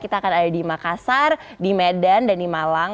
kita akan ada di makassar di medan dan di malang